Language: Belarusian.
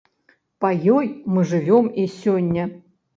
Па ёй мы жывём і сёння.